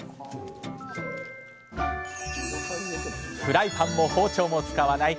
フライパンも包丁も使わない！